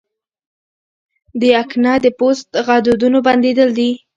د اکنه د پوست غدودونو بندېدل دي.